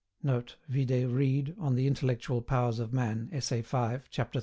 [Note: Vide Reid, on the Intellectual Powers of Man, Essay V, chap iii.